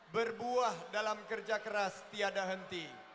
berbuah dalam kerja keras tiada henti